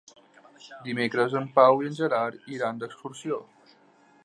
Dimecres en Pau i en Gerard iran d'excursió.